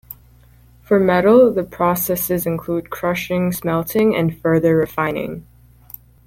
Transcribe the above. For metal, the processes include crushing, smelting and further refining.